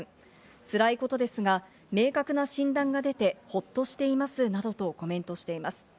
つらいことですが、明確な診断が出て、ホッとしていますなどとコメントしています。